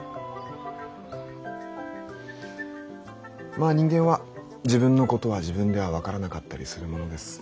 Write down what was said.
まあ人間は自分のことは自分では分からなかったりするものです。